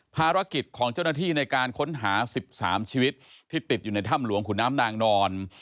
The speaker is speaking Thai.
ภารกิจของเจ้าหน้าที่ในการค้นหา๑๓ชีวิตที่ติดอยู่ในถ้ำหลวงขุนน้ำนางนอน